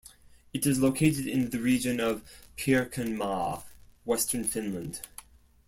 It is located in the region of Pirkanmaa, Western Finland.